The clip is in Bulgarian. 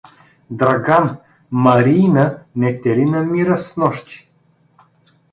— Драган, Мариина, не те ли намира снощи?